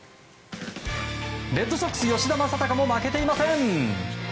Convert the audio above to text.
レッドソックス、吉田正尚も負けていません！